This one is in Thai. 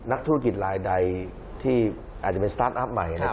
นักธุรกิจลายใดที่อาจจะเป็นสตาร์ทอัพใหม่